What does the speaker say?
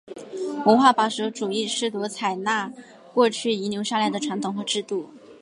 文化保守主义试图采纳过去遗留下来的传统和制度。